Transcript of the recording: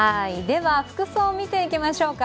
では服装、見ていきましょうか。